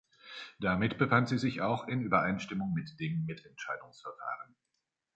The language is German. Damit befand sie sich auch in Übereinstimmung mit dem Mitentscheidungsverfahren.